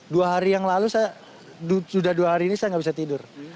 dua hari yang lalu saya sudah dua hari ini saya nggak bisa tidur